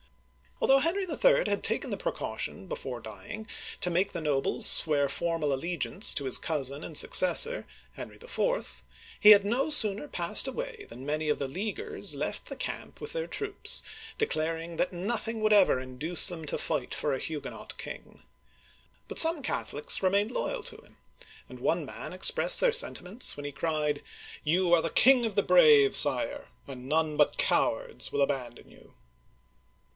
Although Henry HI. had taken the precaution before dying to make the nobles s\year formal allegiance to his cousin and successor, Henry IV., he had no sooner passed away than many of the Leaguers left the camp with their troops, declaring that nothing would ever induce them to fight for a Huguenot king ! But some Catholics remained loyal to him, and one man expressed their sentiments when he cried, " You are the king of the brave. Sire, and none but cowards will abandon you